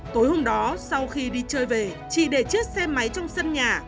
tối hôm đó sau khi đi chơi về chị để chiếc xe máy trong sân nhà